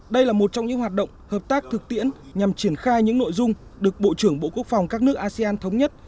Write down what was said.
đây là một trong những hoạt động hợp tác thực tiễn nhằm triển khai những nội dung được bộ trưởng bộ quốc phòng các nước asean thống nhất